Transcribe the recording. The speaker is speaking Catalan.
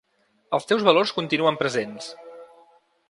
Els teus valors continuen presents!